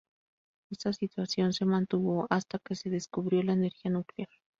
Esta situación se mantuvo hasta que se descubrió la energía nuclear.